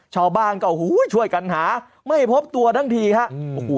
ชาวบ้านก็ช่วยกันหาไม่พบตัวทั้งทีครับ